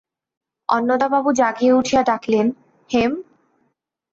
অন্নদাবাবু জাগিয়া উঠিয়া ডাকিলেন, হেম!